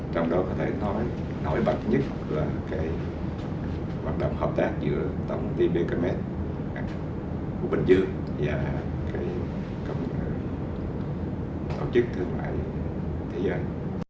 trong đó có thể nói nổi bật nhất là hoạt động hợp tác giữa tổng tiên bkm của bình dương và tổ chức thương mại thế giới